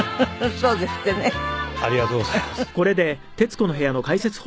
そうですってね。